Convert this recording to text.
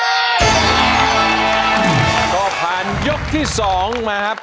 ก็ผ่านยกที่๒มาครับ